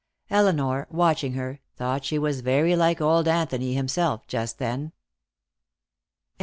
Elinor, watching her, thought she was very like old Anthony himself just then.